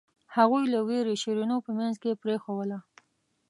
هغوی له وېرې شیرینو په منځ کې پرېښووله.